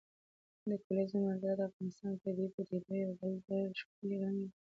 د کلیزو منظره د افغانستان د طبیعي پدیدو یو بل ډېر ښکلی رنګ دی.